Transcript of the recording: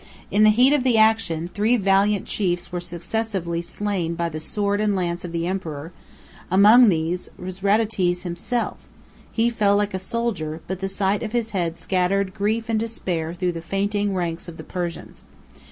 In the heat of the action, three valiant chiefs were successively slain by the sword and lance of the emperor: among these was Rhazates himself; he fell like a soldier, but the sight of his head scattered grief and despair through the fainting ranks of the Persians.